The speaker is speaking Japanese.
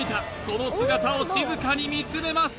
その姿を静かに見つめます